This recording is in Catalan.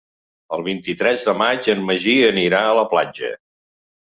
El vint-i-tres de maig en Magí anirà a la platja.